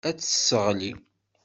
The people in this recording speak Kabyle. Ad tt-tesseɣli.